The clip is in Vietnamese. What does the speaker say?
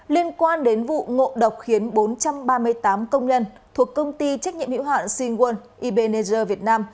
liên quan đến vụ ngộ độc khiến bốn trăm ba mươi tám công nhân thuộc công ty trách nhiệm hữu hạn shingwon ebenezer việt nam